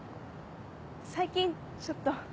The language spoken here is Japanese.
最近ちょっと。